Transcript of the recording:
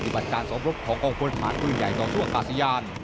ปฏิบัติการสอบรบของกองพลธานพื้นใหญ่ต่อสู่อากาศยาน